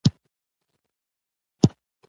او که وم نه شو نو ما دربخلي.